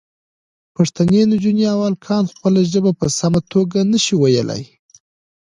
پښتنې نجونې او هلکان خپله ژبه په سمه توګه نه شي ویلی.